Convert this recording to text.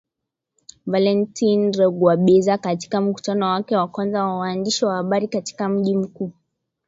Valentine Rugwabiza katika mkutano wake wa kwanza na waandishi wa habari katika mji mkuu